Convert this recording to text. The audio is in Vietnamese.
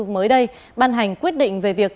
mới đây ban hành quyết định về việc